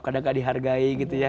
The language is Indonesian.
kadang gak dihargai